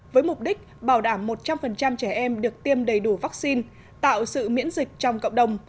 với mục đích bảo đảm một trăm linh trẻ em được tiêm đầy đủ vaccine tạo sự miễn dịch trong cộng đồng